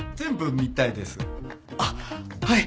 あっはい。